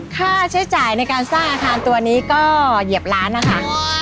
ค่าใช้จ่ายในการสร้างอาคารตัวนี้ก็เหยียบล้านนะคะ